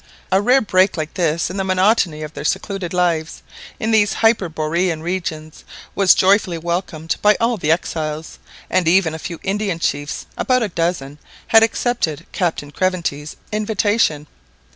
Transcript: A rare break like this in the monotony of their secluded lives, in these hyberborean regions, was joyfully welcomed by all the exiles, and even a few Indian chiefs, about a dozen, had accepted Captain Craventy's invitation.